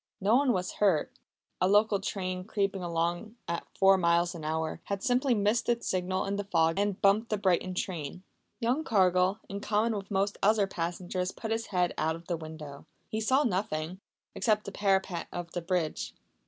No one was hurt. A local train, creeping along at four miles an hour, had simply missed its signal in the fog and bumped the Brighton train. Young Cargill, in common with most other passengers put his head out of the window. He saw nothing except the parapet of the bridge.